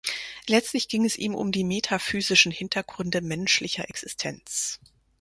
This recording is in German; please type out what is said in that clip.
Letztlich ging es ihm um die metaphysischen Hintergründe menschlicher Existenz.